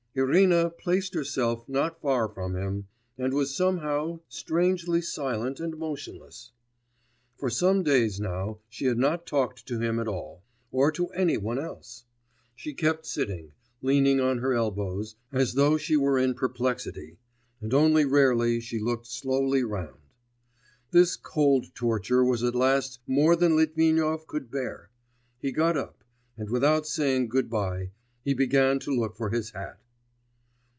Irina placed herself not far from him, and was somehow strangely silent and motionless. For some days now she had not talked to him at all, or to any one else; she kept sitting, leaning on her elbows, as though she were in perplexity, and only rarely she looked slowly round. This cold torture was at last more than Litvinov could bear; he got up, and without saying good bye, he began to look for his hat.